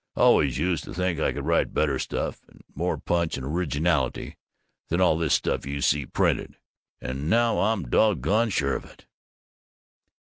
I always used to think I could write better stuff, and more punch and originality, than all this stuff you see printed, and now I'm doggone sure of it!"